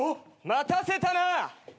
・待たせたな！